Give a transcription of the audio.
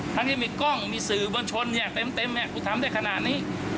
ทั้งที่มีกล้องมีสื่อบนชนเนี่ยเต็มกูทำได้ขนาดนี้